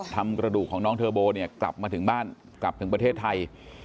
ทำกระดูกของน้องเทอร์โบเนี่ยกลับมาถึงบ้านกลับถึงประเทศไทย